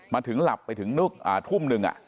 มาถึงหลับไปถึงทุ่มหนึ่ง